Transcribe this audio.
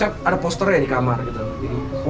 ada posternya di kamar gitu